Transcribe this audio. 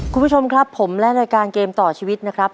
คุณผู้ชมครับผมและรายการเกมต่อชีวิตนะครับ